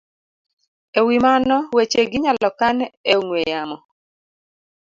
E wi mano, wechegi inyalo kan e ong'we yamo